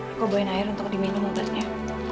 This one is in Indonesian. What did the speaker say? aku buat air untuk diminum obatnya